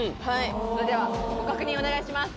それではご確認をお願いします